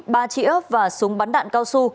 ba trĩ ớp và súng bắn đạn cao su